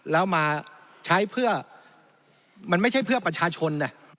แล้วมาใช้เพื่อมันไม่ใช่เพื่อประชาชน